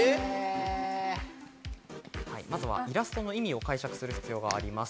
まずはイラストの意味を解釈する必要があります。